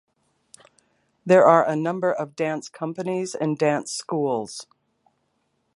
There are a number of dance companies and dance schools.